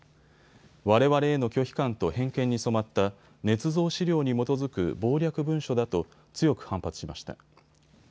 われわれへの拒否感と偏見に染まったねつ造資料に基づく謀略文書だと強く反発しました。